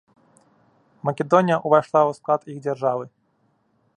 Македонія ўвайшла ў склад іх дзяржавы.